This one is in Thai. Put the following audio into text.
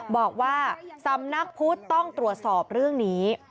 บอกว่าสำนักพุทธต้องตรวจสอบเรื่องนี้